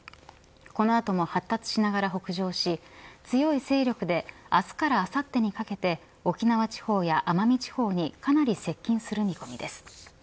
この後も発達しながら北上し強い勢力で明日からあさってにかけて沖縄地方や奄美地方にかなり接近する見込みです。